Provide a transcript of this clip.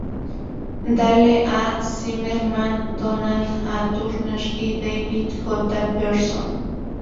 Dale A. Zimmerman, Donald A. Turner y David J. Pearson.